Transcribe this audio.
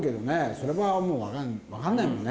それはもう分かんないもんね。